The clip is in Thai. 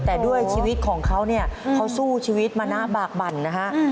แต่ด้วยชีวิตของเขาเขาสู้ชีวิตมาน่าบากบั่นนะครับ